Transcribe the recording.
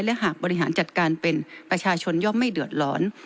และหากบริหารจัดการเป็นประชาชนย่อมไม่เดือดร้อน